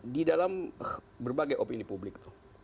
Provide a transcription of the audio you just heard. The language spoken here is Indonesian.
di dalam berbagai opini publik